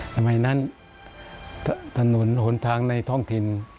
ทำไมนั้นถนนหนทางในท้องถิ่น